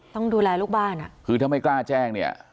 ต้องดูแลลูกบ้านอ่ะคือถ้าไม่กล้าแจ้งเนี่ย